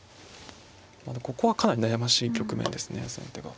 ここはかなり悩ましい局面ですね先手が。